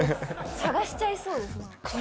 探しちゃいそうですね。